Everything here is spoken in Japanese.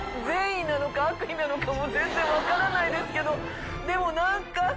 善意なのか悪意なのかも全然分からないですけどでも何か。